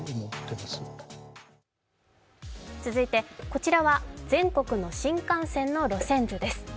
こちらは全国の新幹線の路線図です。